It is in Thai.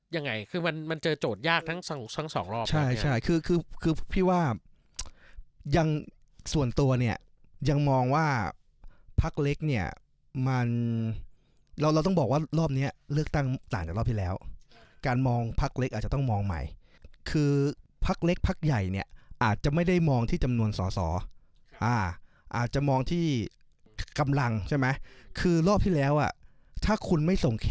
ยังไงคือมันมันเจอโจทย์ยากทั้งสองรอบใช่ใช่คือคือพี่ว่ายังส่วนตัวเนี่ยยังมองว่าพักเล็กเนี่ยมันเราเราต้องบอกว่ารอบเนี้ยเลือกตั้งต่างจากรอบที่แล้วการมองพักเล็กอาจจะต้องมองใหม่คือพักเล็กพักใหญ่เนี่ยอาจจะไม่ได้มองที่จำนวนสอสออาจจะมองที่กำลังใช่ไหมคือรอบที่แล้วอ่ะถ้าคุณไม่ส่ง